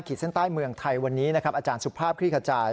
ขีดเส้นใต้เมืองไทยวันนี้อสุภาพคลิกจ่าย